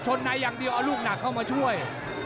ในอย่างเดียวเอาลูกหนักเข้ามาช่วย